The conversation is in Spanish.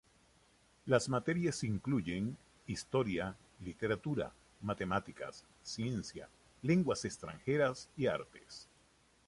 Las materias incluyen; Historia, Literatura, Matemáticas, Ciencia, Lenguas extranjeras y Artes.